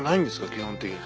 基本的に。